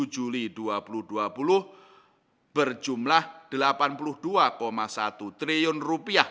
tujuh juli dua ribu dua puluh berjumlah rp delapan